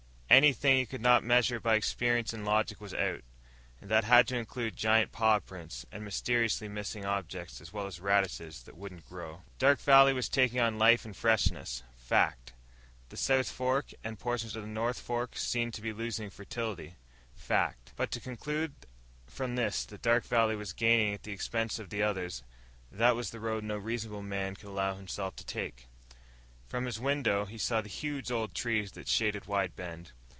Anything he could not measure by experience and logic was out. And that had to include giant paw prints and mysteriously missing objects as well as radishes that wouldn't grow. Dark Valley was taking on life and freshness. Fact. The South Fork, and portions of the North Fork, seemed to be losing fertility. Fact. But to conclude from this that Dark Valley was gaining at the expense of the others that was the road no reasonable man could allow himself to take. From his window, he saw the huge old trees that shaded Wide Bend.